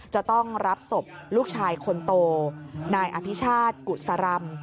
จะต้องรับศพลูกชายคนโตนายอภิชาติกุศรำ